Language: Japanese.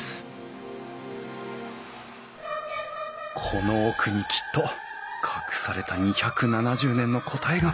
この奥にきっと隠された２７０年の答えが。